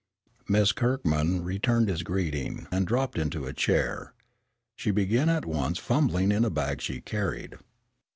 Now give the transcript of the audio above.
Miss Kirkman returned his greeting and dropped into a chair. She began at once fumbling in a bag she carried.